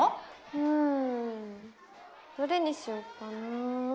うんどれにしようかなあ。